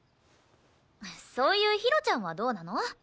そういうひろちゃんはどうなの？